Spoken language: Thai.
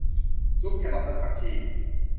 ซุปแครอทและผักชี